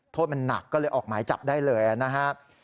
โทษมันหนักก็เลยออกหมายจับได้เลยนะครับ